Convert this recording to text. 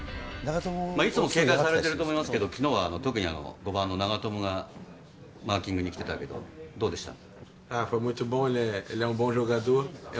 いつも警戒されてると思いますけれども、きのうは特に５番の長友がマーキングに来てたけどどうでした？